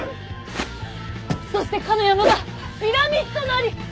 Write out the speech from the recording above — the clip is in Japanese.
そしてかの山がピラミッドなり！